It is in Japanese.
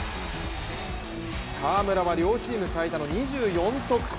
河村は両チーム最多の２４得点。